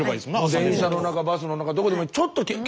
電車の中バスの中どこでもいい。